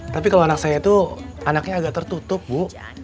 tapi kalau anak saya itu anaknya agak tertutup bu